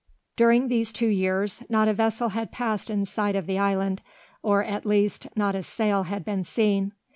During these two years not a vessel had passed in sight of the island; or, at least, not a sail had been seen.